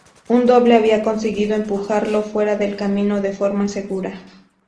Un doble había conseguido empujarlo fuera del camino de forma segura.